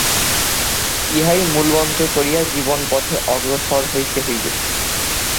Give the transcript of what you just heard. ইহাই মূলমন্ত্র করিয়া জীবনপথে অগ্রসর হইতে হইবে।